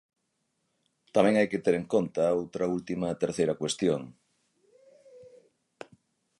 Tamén hai que ter en conta outra última e terceira cuestión.